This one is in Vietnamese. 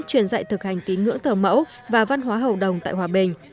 truyền dạy thực hành tín ngưỡng thờ mẫu và văn hóa hầu đồng tại hòa bình